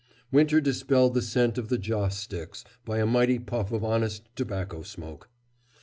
Winter dispelled the scent of the joss sticks by a mighty puff of honest tobacco smoke.